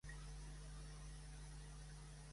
Dijous n'Eulàlia anirà a Ciutadilla.